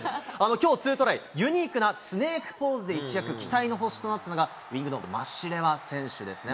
きょうツートライ、ユニークなスネークポーズで一躍、期待の星となったのが、ウィングのマシレワ選手ですね。